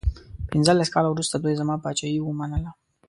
پنځلس کاله وروسته دوی زما پاچهي ومنله.